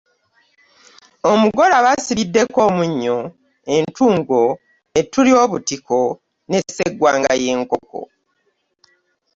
Omugole aba asibiddeko omunnyo, entungo, ettu ly’obutiko ne sseggwanga y’enkoko.